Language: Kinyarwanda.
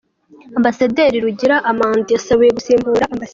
Ambasaderi Rugira Amandin wasabiwe gusimbura Amb.